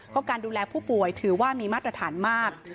ก็การดูแลผู้ป่วยถือว่ามีมาตรฐานมาก